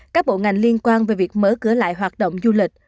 các bộ ngành liên quan về việc mở cửa lại hoạt động du lịch